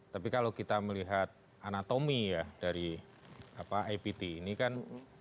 tapi kalau kita melihat anatomi ya dari ipt ini kan